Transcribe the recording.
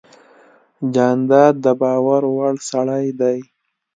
جانداد د باور وړ سړی دی.